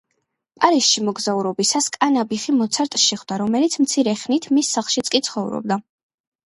პარიზში მოგზაურობისას კანაბიხი მოცარტს შეხვდა, რომელიც მცირე ხნით მის სახლშიც კი ცხოვრობდა.